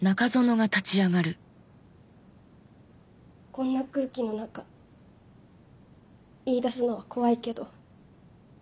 こんな空気の中言い出すのは怖いけど。